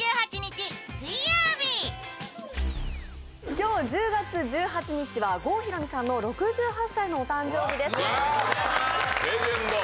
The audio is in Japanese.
今日１０月１８日は郷ひろみさんの６８歳のお誕生日です。